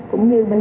cũng như bnzh